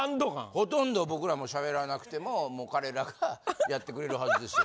ほとんど僕ら喋らなくても彼らがやってくれるはずですよ。